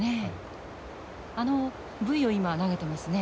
あのブイを今投げてますね。